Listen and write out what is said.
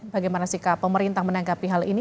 bagaimana sikap pemerintah menangkapi hal ini